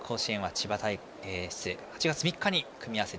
８月３日に組み合わせ